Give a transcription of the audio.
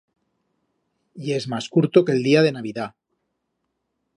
Yes mas curto que el día de Navidat.